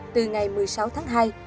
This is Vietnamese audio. từ ngày một mươi sáu tháng hai